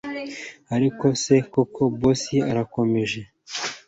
ariko se koko boss urakomeje